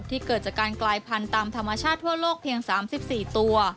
เกิดจากการกลายพันธุ์ตามธรรมชาติทั่วโลกเพียง๓๔ตัว